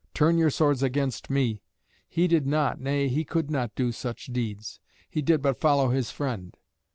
Turn your swords against me. He did not, nay, he could not do such deeds. He did but follow his friend."